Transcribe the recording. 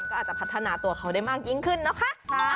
ก็อาจจะพัฒนาตัวเขาได้มากยิ่งขึ้นนะคะ